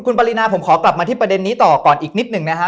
คุณปรินาผมขอกลับมาที่ประเด็นนี้ต่อก่อนอีกนิดหนึ่งนะฮะ